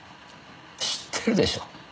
知ってるでしょ？